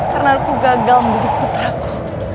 karena aku gagal membeli putraku